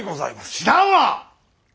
知らんわ！